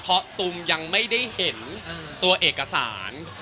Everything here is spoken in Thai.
เพราะตูมยังไม่ได้เห็นตัวเอกสาร